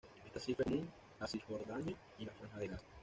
Esta cifra es común a Cisjordania y la Franja de Gaza.